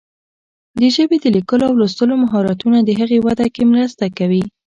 د ژبې د لیکلو او لوستلو مهارتونه د هغې وده کې مرسته کوي.